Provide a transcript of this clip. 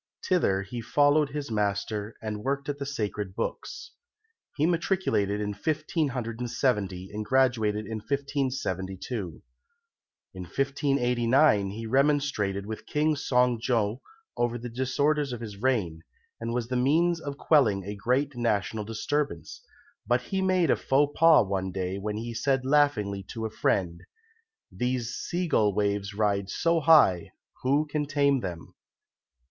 Thither he followed his master and worked at the Sacred Books. He matriculated in 1570 and graduated in 1572. In 1589 he remonstrated with King Son jo over the disorders of his reign, and was the means of quelling a great national disturbance; but he made a faux pas one day when he said laughingly to a friend "These sea gull waves ride so high, Who can tame them?"